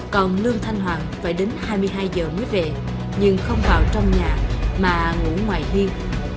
còn lương thanh hoàng phải đến hai mươi hai giờ mới về nhưng không vào trong nhà mà ngủ ngoài hiên